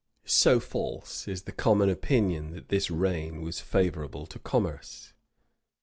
So false is the common opinion that this reign was favorable to commerce.